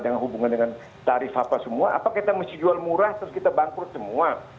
dengan hubungan dengan tarif apa semua apa kita mesti jual murah terus kita bangkrut semua